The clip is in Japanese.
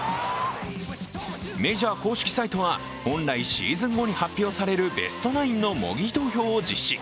メジャー公式サイトは、本来シーズン後に発表されるベストナインの模擬投票を実施。